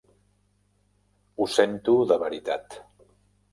Ho sento de veritat.